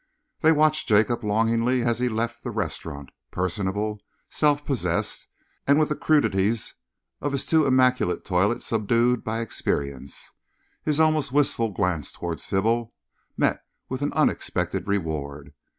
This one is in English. They watched Jacob longingly as he left the restaurant, personable, self possessed, and with the crudities of his too immaculate toilet subdued by experience. His almost wistful glance towards Sybil met with an unexpected reward.